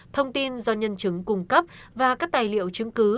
thông tin do nhân chứng cung cấp và các tài liệu chứng cứ